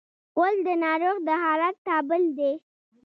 غول د ناروغ د حالت تابل دی.